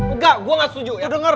engga gua gak setuju ya